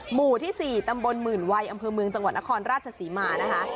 หมู่ที่๔ตำบลหมื่นวัยอำเภอเมืองจังหวัดนครราชศรีมานะคะ